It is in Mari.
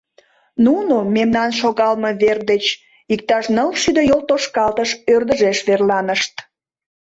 Нуно мемнан шогалме вер деч иктаж нылшӱдӧ йолтошкалтыш ӧрдыжеш верланышт.